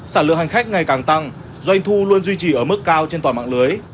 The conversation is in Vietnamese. sản lượng hành khách ngày càng tăng doanh thu luôn duy trì ở mức cao trên toàn mạng lưới